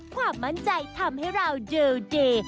ความมั่นใจทำให้เราดูดี